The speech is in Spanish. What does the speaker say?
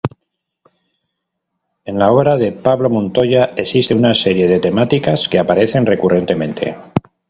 En la obra de Pablo Montoya existe una serie de temáticas que aparecen recurrentemente.